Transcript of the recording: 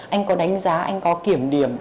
anh có đánh giá anh có kiểm điểm